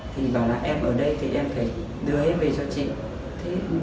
thì bảo là em ở đây thì em phải đưa em về cho chị